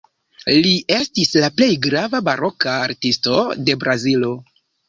Li estis la plej grava baroka artisto de Brazilo.